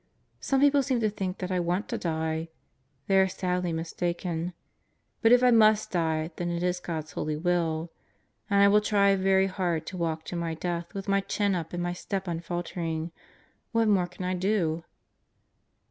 Some people seem to think that I want to die. They are sadly mistaken. ... But if I must die, then it is God's holy will. And I will try very hard to walk to my death with my chin up and my step unfaltering. What more can I do?